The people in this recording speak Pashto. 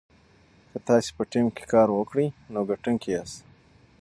که تاسي په ټیم کې کار وکړئ نو ګټونکي یاست.